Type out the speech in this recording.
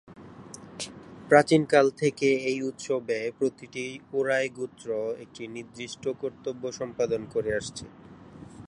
প্রাচীনকাল থেকে এই উৎসবে প্রতিটি উরায় গোত্র একটি নির্দিষ্ট কর্তব্য সম্পাদন করে আসছে।